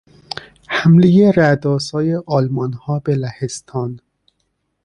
حملهی رعدآسای آلمانها به لهستان